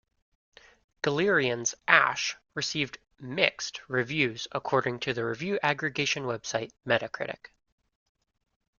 "Galerians: Ash" received "mixed" reviews according to the review aggregation website Metacritic.